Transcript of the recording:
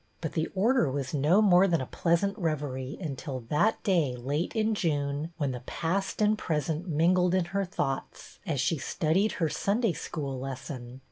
But the Order was no more than a pleasant reverie until that day late in June, w'hen the past and present mingled in her thoughts, as she studied her Sunday School lesson.